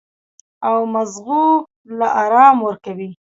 او مزغو له ارام ورکوي -